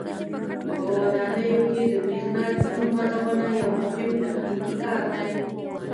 په ودانیو کې د برېښنا د سیم غځونه یو مهم تخنیکي کار دی.